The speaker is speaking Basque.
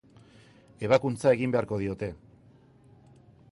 Ebakuntza egin beharko diote.